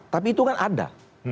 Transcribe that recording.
tapi itu kan ada